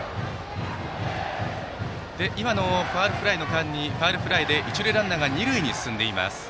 今のファウルフライの間に一塁ランナーが二塁に進んでいます。